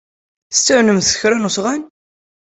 Tettamnemt s kra n usɣan?